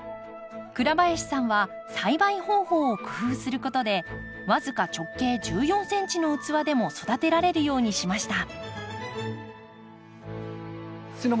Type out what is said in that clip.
倉林さんは栽培方法を工夫することで僅か直径１４ｃｍの器でも育てられるようにしました。